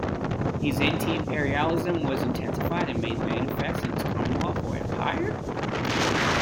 His anti-imperialism was intensified and made manifest in his Commonwealth or Empire?